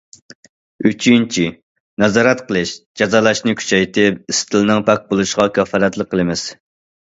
ئۈچىنچى، نازارەت قىلىش، جازالاشنى كۈچەيتىپ، ئىستىلنىڭ پاك بولۇشىغا كاپالەتلىك قىلىمىز.